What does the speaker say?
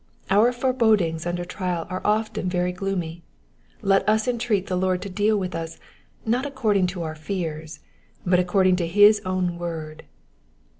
Our forebodings under trial are often very gloomy, let us entreat the Lord to deal with us, not according to our fears, but according to his own word.